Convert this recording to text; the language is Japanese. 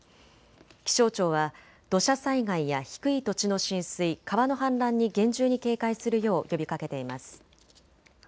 気象庁は土砂災害や低い土地の浸水、川の氾濫に厳重に警戒するよう呼びかけています。